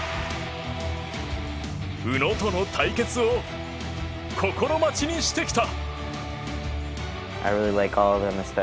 宇野との対決を心待ちにしてきた。